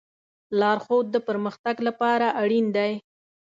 لارښود د پرمختګ لپاره اړین دی.